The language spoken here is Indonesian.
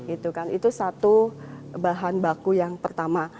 itu kan itu satu bahan baku yang pertama